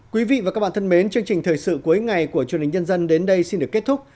quý vị và các bạn thân mến chương trình thời sự cuối ngày của truyền hình nhân dân đến đây xin được kết thúc